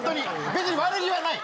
別に悪気はない。